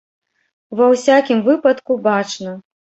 Ва ўсякім выпадку, бачна.